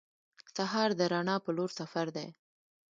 سهار د رڼا په لور سفر دی.